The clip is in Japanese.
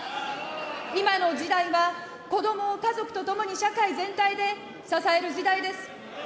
今の時代は子どもを家族とともに社会全体で支える時代です。